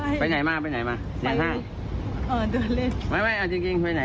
อย่าพูดว่าคำนี้แค่นี่